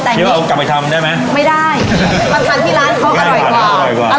พี่ป้องเอากลับไปทำได้ไหมไม่ได้มันทำที่ร้านเขาก็อร่อยกว่า